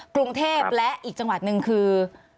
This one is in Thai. กรุงเทพและอีกจังหวัดหนึ่งคือ